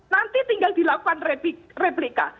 nanti tinggal dilakukan replika